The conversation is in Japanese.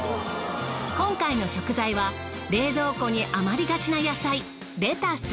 今回の食材は冷蔵庫に余りがちな野菜レタス。